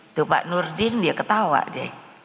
itu pak nurdin ya ketawa deh